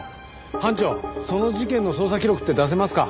班長その事件の捜査記録って出せますか？